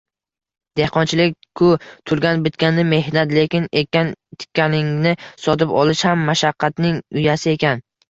Dehqonchilik-ku turgan-bitgani mehnat, lekin ekkan-tikkaningni sotib olish ham mashaqqatning uyasi ekan.